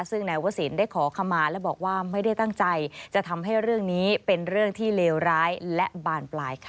ซึ่งนายวศิลป์ได้ขอขมาและบอกว่าไม่ได้ตั้งใจจะทำให้เรื่องนี้เป็นเรื่องที่เลวร้ายและบานปลายค่ะ